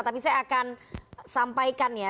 tapi saya akan sampaikan ya